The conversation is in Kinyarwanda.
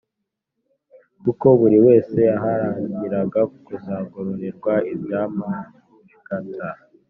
kuko buri wese yaharaniraga kuzagororerwa ibya macigata.